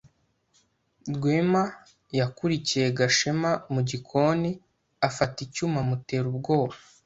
Rwema yakurikiye Gashema mu gikoni, afata icyuma amutera ubwoba.